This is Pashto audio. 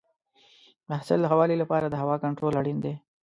د حاصل د ښه والي لپاره د هوا کنټرول اړین دی.